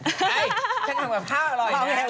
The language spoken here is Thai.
เฮ่ยฉันทำกับข้าวอร่อยนะ